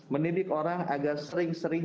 mendidik orang agak sering sering